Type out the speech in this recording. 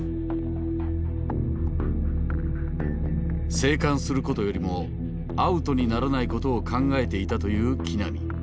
生還することよりもアウトにならないことを考えていたという木浪。